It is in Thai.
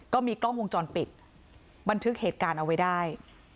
ก็มีกล้องวงจรปิดบันทึกเหตุการณ์เอาไว้ได้